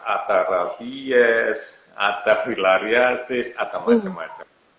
ada rabies ada filariasis atau macam macam